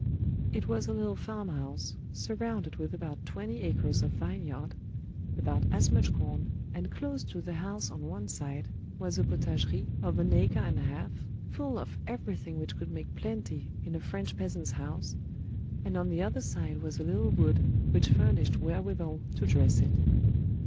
It was a little farmhouse, sur rounded with about twenty acres of vineyard, about as much corn, and close to the house on one side was a potagerie of an acre and a half, full of everything which could make plenty in a French peasant's house, and on the other side was a little wood which furnished wherewithal to dress it.